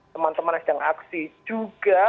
teman teman yang sedang aksi juga